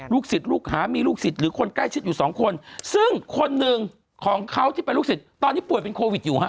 ศิษย์ลูกหามีลูกศิษย์หรือคนใกล้ชิดอยู่สองคนซึ่งคนหนึ่งของเขาที่เป็นลูกศิษย์ตอนนี้ป่วยเป็นโควิดอยู่ฮะ